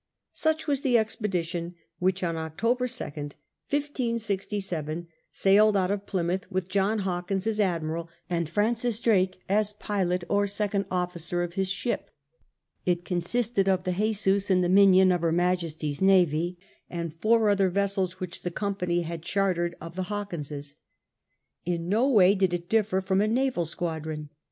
Such was the expedition which on October 2nd, 1567, sailed out of Plymouth harbour with John Hawkins as admiral, and Francis Drake as pilot or second officer of his ship.^ It consisted of the Jesus and the Minion of Her Majesty's navy, and four other vessels which the Company had chartered of the Hawkinses. In no way did it differ from a naval squadron.